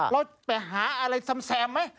เราไปหาอะไรแซมไหม